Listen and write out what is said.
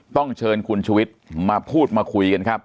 ต้องเชิญคุณชุวิตมาพูดมาคุยกันครับ